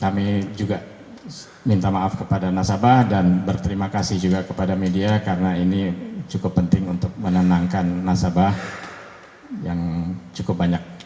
kami juga minta maaf kepada nasabah dan berterima kasih juga kepada media karena ini cukup penting untuk menenangkan nasabah yang cukup banyak